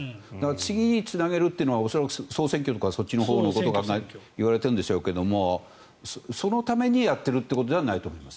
次につなげるというのは総選挙とかそっちのほうのことがいわれてるんでしょうけれどもそのためにやってるということではないと思います。